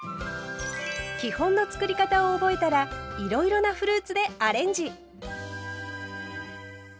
基本のつくり方を覚えたらいろいろなフルーツでアレンジ！